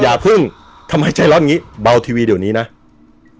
อย่าเพิ่งทำไมใจร้อนอย่างนี้เบาทีวีเดี๋ยวนี้นะ